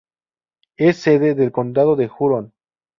Es sede del condado de Huron.